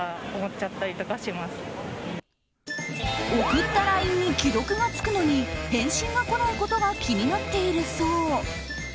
送ったＬＩＮＥに既読がつくのに返信が来ないことが気になっているそう。